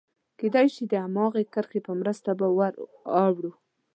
کېدای شي د هماغې کرښې په مرسته به ور اوړو.